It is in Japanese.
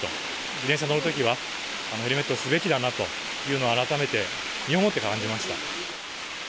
自転車乗るときは、ヘルメットをすべきだなというのを改めて身をもって感じました。